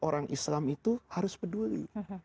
orang islam itu harus peduli